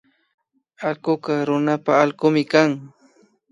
Allkuka runapa ayllumi kan